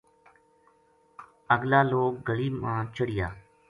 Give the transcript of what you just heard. اگلا لوک گلی ما چڑھیا